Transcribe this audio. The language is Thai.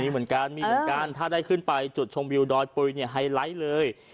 เหมือนกันมีเหมือนกันถ้าได้ขึ้นไปจุดชมวิวดอยปุ๋ยเนี่ยไฮไลท์เลย